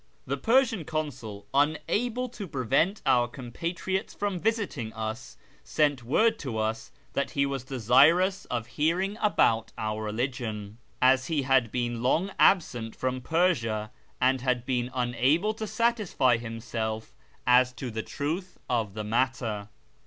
The Persian Consul, unable to prevent our compatriots from visiting us, sent word to us that he was desirous of hearing about our religion, as he had been long absent from Persia, and had been unable to satisfy himself as to the truth of the matter.